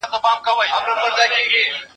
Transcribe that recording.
زه له سهاره درسونه اورم،